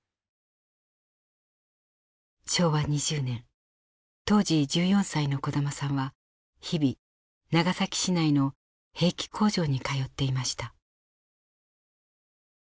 昭和２０年当時１４歳の小玉さんは日々長崎市内の兵器工場に通っていました。